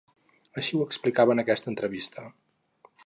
Així ho explicava en aquesta entrevista.